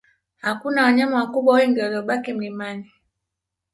Hakuna wanyama wakubwa wengi waliobaki mlimani